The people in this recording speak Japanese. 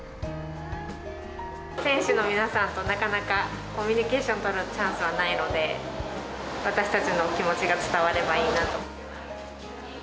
選手の皆さんとなかなかコミュニケーションを取るチャンスがないので、私たちの気持ちが伝わればいいなと。